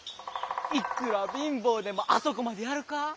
いくら貧乏でもあそこまでやるか？